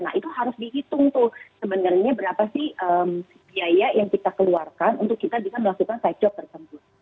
nah itu harus dihitung tuh sebenarnya berapa sih biaya yang kita keluarkan untuk kita bisa melakukan side job tersebut